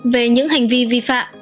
về những hành vi vi phạm